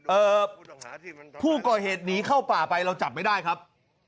เอ่อผู้ก่อเหตุหนีเข้าป่าไปเราจับไม่ได้ครับ